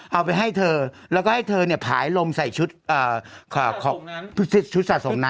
เอาไปให้เธอแล้วก็ให้เธอผายลงใส่ชุดชุดสะสมนั้น